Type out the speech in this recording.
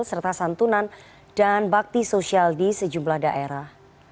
serta santunan dan bakti sosial di sejumlah daerah